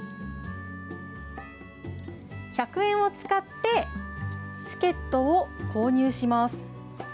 １００円を使ってチケットを購入します。